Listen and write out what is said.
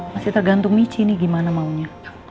masih tergantung michi ini gimana maunya